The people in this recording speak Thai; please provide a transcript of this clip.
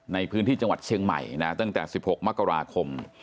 ในพื้นที่จังหวัดเชียงใหม่ตั้งแต่๑๖มกราคม